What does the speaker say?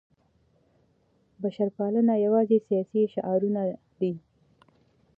بشرپالنه یوازې سیاسي شعارونه نه دي.